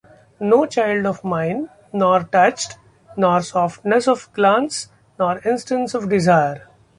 No child of mine nor touch nor softness of glance, nor instant of desire.